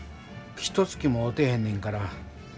ひとつきも会うてへんねんから。